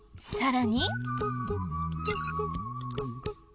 さらに。